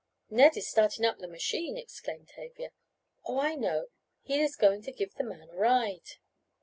"Ned is starting up the machine," exclaimed Tavia. "Oh, I know. He is going to give the man a ride."